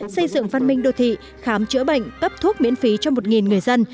xây dựng văn minh đô thị khám chữa bệnh cấp thuốc miễn phí cho một người dân